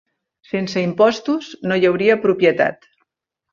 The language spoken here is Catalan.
Sense impostos no hi hauria propietat.